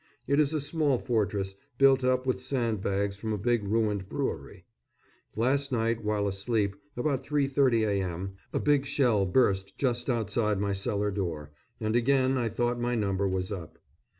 It is a small fortress, built up with sandbags from a big ruined brewery. Last night while asleep, about 3.30 a.m., a big shell burst just outside my cellar door, and again I thought my number was up.